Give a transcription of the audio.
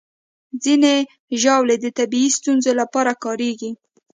ځینې ژاولې د طبي ستونزو لپاره کارېږي.